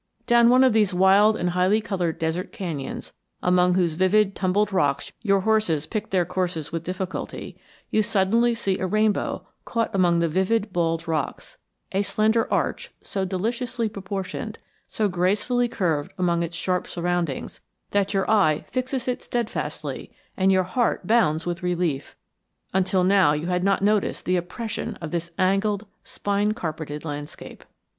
Down one of these wild and highly colored desert canyons among whose vivid tumbled rocks your horses pick their course with difficulty, you suddenly see a rainbow caught among the vivid bald rocks, a slender arch so deliciously proportioned, so gracefully curved among its sharp surroundings, that your eye fixes it steadfastly and your heart bounds with relief; until now you had not noticed the oppression of this angled, spine carpeted landscape.